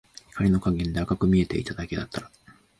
光の加減で赤く見えていただけだった